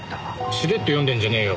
しれっと読んでんじゃねえよ。